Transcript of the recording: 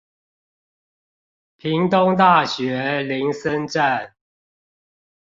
屏東大學林森站